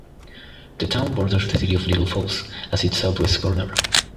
The town borders the City of Little Falls at its southwest corner.